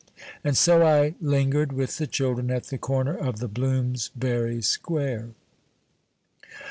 And so I lingired with the children at the corner of the liloomsbury s(}uare.